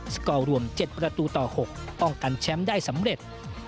สกอร์รวม๗ประตูต่อ๖ป้องกันแชมป์ได้สำเร็จ